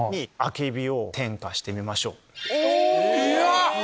うわ！